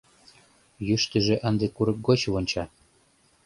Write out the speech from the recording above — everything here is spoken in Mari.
Йӱштыжӧ ынде курык гоч вонча.